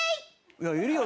いやいるよ